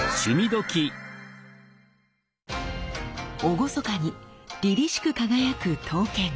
厳かにりりしく輝く刀剣。